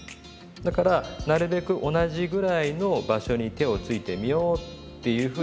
だからなるべく同じぐらいの場所に手をついてみようっていうふうにやってもらって。